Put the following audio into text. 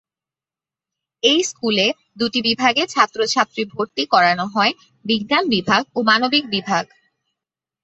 এই স্কুলে দুটি বিভাগে ছাত্রছাত্রী ভর্তি করানো হয়ঃ বিজ্ঞান বিভাগ ও মানবিক বিভাগ।